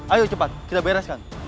ayo cepat kita bereskan